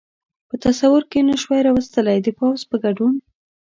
په تصور کې نه شوای را وستلای، د پوځ په ګډون.